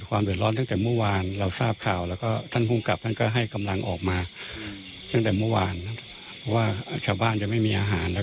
ก็เป็นการเคลื่อนใช้